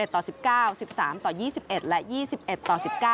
ต่อ๑๙๑๓ต่อ๒๑และ๒๑ต่อ๑๙